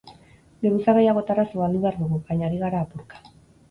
Geruza gehiagotara zabaldu behar dugu, baina ari gara apurka.